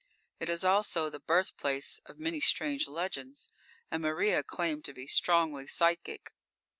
It is also the birthplace of many strange legends, and Maria claimed to be strongly psychic.